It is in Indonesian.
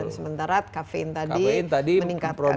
sementara kafein tadi meningkatkan